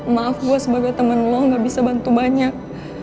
maaf gue sebagai temen lo gak bisa bantu banyak